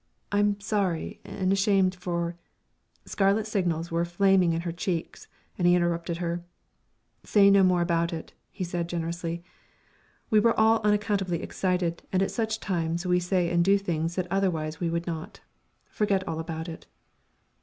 I'm sorry and ashamed for " Scarlet signals were flaming in her cheeks, and he interrupted her. "Say no more about it," he said generously; "we were all unaccountably excited, and at such times we say and do things that otherwise we would not. Forget about it."